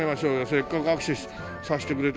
せっかく握手させてくれた。